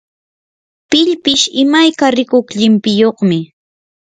pillpish imayka rikuq llimpiyuqmi.